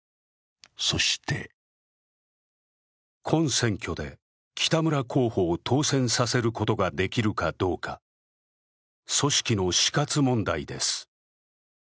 そして今選挙で北村候補を当選させることができるかどうか、組織の死活問題です。